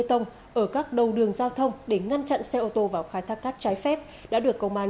tông ở các đầu đường giao thông để ngăn chặn xe ô tô vào khai thác cát trái phép đã được công an